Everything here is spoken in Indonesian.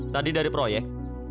tadi dari proyek